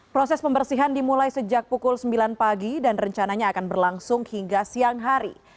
proses pembersihan dimulai sejak pukul sembilan pagi dan rencananya akan berlangsung hingga siang hari